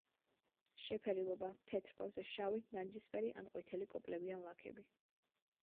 შეფერილობა: თეთრ ფონზე შავი, ნარინჯისფერი ან ყვითელი კოპლები ან ლაქები.